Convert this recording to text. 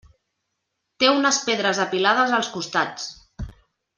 Té unes pedres apilades als costats.